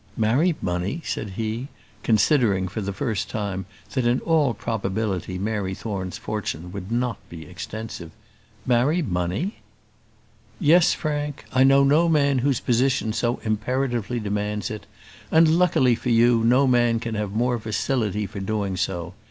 "Marry money!" said he, considering for the first time that in all probability Mary Thorne's fortune would not be extensive. "Marry money!" "Yes, Frank. I know no man whose position so imperatively demands it; and luckily for you, no man can have more facility for doing so.